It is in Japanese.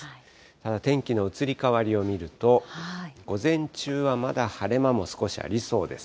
ただ天気の移り変わりを見ると、午前中はまだ晴れ間も少しありそうです。